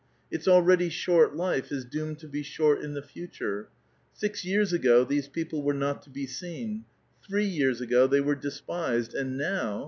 Its already short life is doomed t;o be short in the future. Six years ago these people were ^^ ot to be seen ; three years ago they were despised ; and *:iow